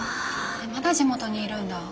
えっまだ地元にいるんだ。